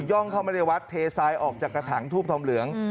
่องเข้ามาในวัดเททรายออกจากกระถังทูบทองเหลือง